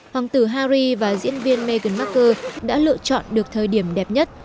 hoàng tử harry và diễn viên meghan markle đã lựa chọn được thời điểm đẹp nhất